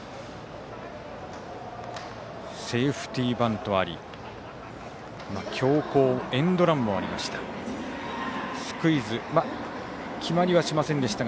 セーフティーバントあり強攻、エンドランもありました。